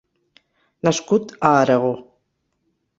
Nascut a Aragó.